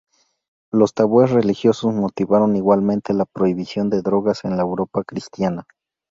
Los tabúes religiosos motivaron igualmente la prohibición de drogas en la Europa cristiana.